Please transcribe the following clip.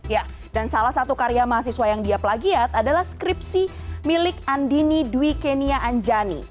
ya dan salah satu karya mahasiswa yang dia plagiat adalah skripsi milik andini dwi kenia anjani